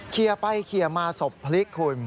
เคลียร์ไปเคลียร์มาศพพลิกคุณ